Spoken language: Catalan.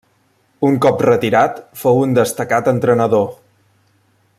Un cop retirat fou un destacat entrenador.